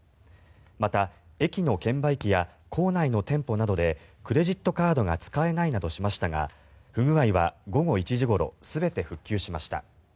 また駅の券売機や構内の店舗などでクレジットカードが使えないなどしましたが不具合は午後１時ごろ全て復旧しました。